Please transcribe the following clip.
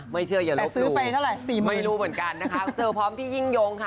ไม่เชื่ออย่ารบรู้ไม่รู้เหมือนกันนะคะเจอพร้อมพี่ยิงยงค่ะ